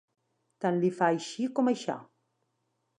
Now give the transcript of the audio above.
Tant li fa així com aixà.